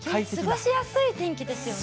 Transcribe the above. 過ごしやすい天気ですよね。